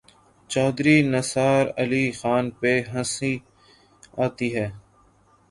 چوہدری نثار علی خان پہ ہنسی آتی ہے۔